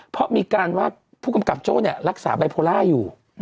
เพราะมีการว่าผู้กำกับโจ้รักษาไบโพล่าอยู่